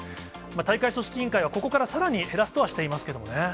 大会組織委員会は、ここからさらに減らすとはしていますけどもね。